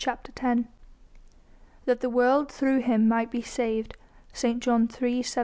CHAPTER X "That the world through Him might be saved." ST. JOHN III. 17.